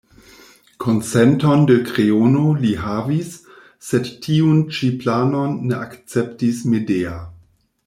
Konsenton de Kreono li havis, sed tiun ĉi planon ne akceptis Medea.